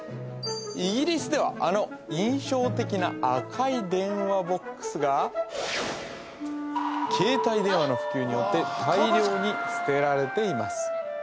イギリスではあの印象的な携帯電話の普及によって大量に捨てられています